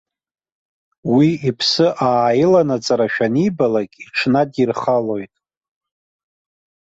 Уи иԥсы ааиланаҵарашәа анибалак, иҽнадирхалоит.